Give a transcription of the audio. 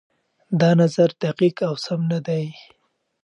دا نظر دقيق او سم نه دی.